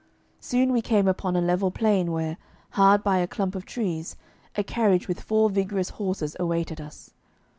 Soon we came upon a level plain where, hard by a clump of trees, a carriage with four vigorous horses awaited us.